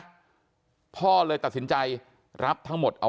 ความปลอดภัยของนายอภิรักษ์และครอบครัวด้วยซ้ำ